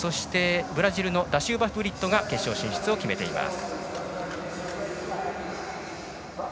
ブラジルのダシウバブリットが決勝進出を決めています。